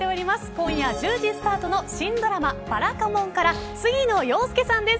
今夜１０時スタートの新ドラマ、ばらかもんから杉野遥亮さんです。